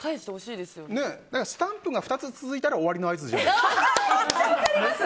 スタンプが２つ続いたら終わりの合図じゃないですか。